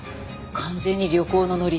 完全に旅行のノリ。